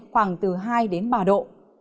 khoảng từ hai đến ba độ